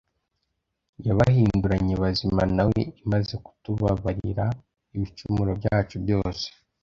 yabahinduranye bazima na we imaze kutubabarira ibicumuro byacu byose